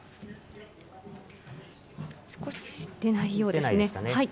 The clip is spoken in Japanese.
少し出ないようですね。